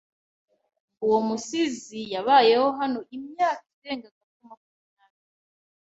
Uwo musizi yabayeho hano imyaka irenga gato makumyabiri.